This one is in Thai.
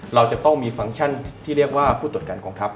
เราจะต้องมีฟังก์ชันที่เรียกว่าผู้ตรวจการกองทัพ